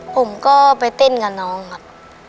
ผมก็ไปเต้นกับน้องครับ